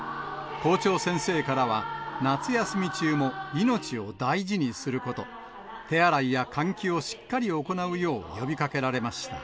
校長先生からは、夏休み中も命を大事にすること、手洗いや換気をしっかり行うよう呼びかけられました。